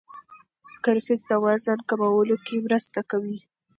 کرفس د وزن کمولو کې مرسته کوي.